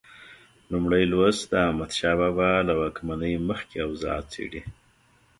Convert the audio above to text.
لومړی لوست د احمدشاه بابا له واکمنۍ مخکې اوضاع څېړي.